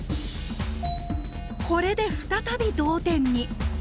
これで再び同点に。